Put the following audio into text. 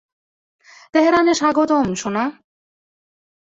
তেহরানে স্বাগতম, সোনা।